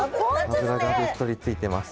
脂がべっとりついてます。